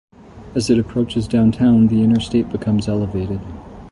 As it approaches downtown, the interstate becomes elevated.